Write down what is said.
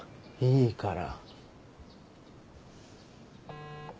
いいから。